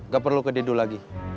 gak perlu kedidu lagi